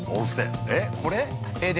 えっ、これ？